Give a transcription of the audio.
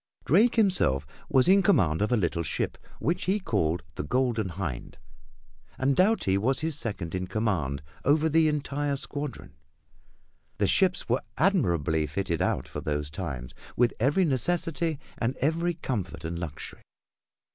Drake himself was in command of a little ship which he called the Golden Hind, and Doughty was his second in command over the entire squadron. The ships were admirably fitted out for those times, with every necessity and every comfort and luxury.